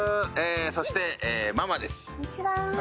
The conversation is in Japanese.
そして、ママです。